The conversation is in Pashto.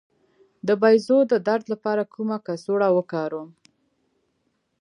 د بیضو د درد لپاره کومه کڅوړه وکاروم؟